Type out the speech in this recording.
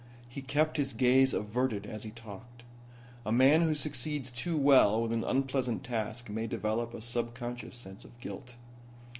He kept his gaze averted as he talked. A man who succeeds too well with an unpleasant task may develop a subconscious sense of guilt.